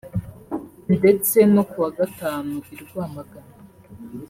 ndetse no ku wa Gatanu i Rwamagana